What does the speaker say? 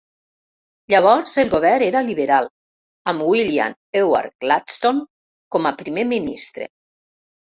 Llavors el govern era liberal, amb William Ewart Gladstone com a Primer Ministre.